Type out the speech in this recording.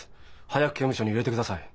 早く刑務所に入れてください。